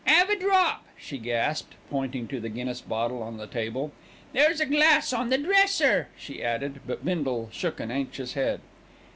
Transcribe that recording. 'Ave a drop," she gasped, pointing to the Guinness bottle on the table. "There's a glass on the dresser," she added; but Bindle shook an anxious head.